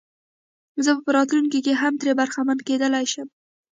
زه په راتلونکي کې هم ترې برخمن کېدلای شم.